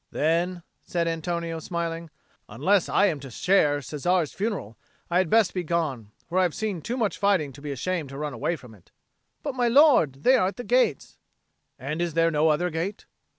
"Then," said Antonio, smiling, "unless I am to share Cesare's funeral, I had best be gone. For I have seen too much fighting to be ashamed to run away from it." "But, my lord, they are at the gates." "And is there no other gate?"